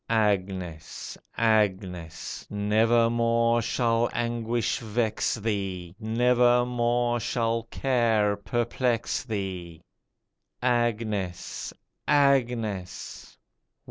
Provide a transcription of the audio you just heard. Agnes ! Agnes ! Nevermore shall anguish vex thee, Nevermore shall care perplex thee. Agnes ! Agnes